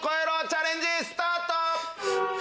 チャレンジスタート！